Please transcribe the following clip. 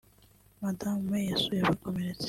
Madamu May yasuye abakomeretse